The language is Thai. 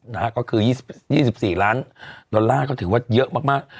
นะฮะก็คือ๒๔ล้านดอลลาร์ก็ถือว่าเยอะมาก